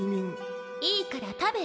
いいから食べて！